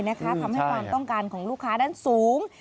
ทำให้ความต้องการของลูกค้านั้นสูง